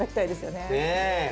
ねえ。